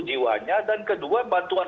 jiwanya dan kedua bantuan